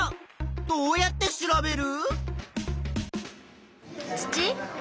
どうやって調べる？